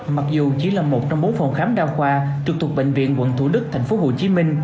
mặc dù chỉ là một trong bốn phòng khám đa khoa trực thuộc bệnh viện quận thủ đức tp hcm